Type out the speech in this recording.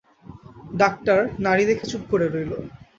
Doctor নাড়ি দেখে চুপ করে রইল।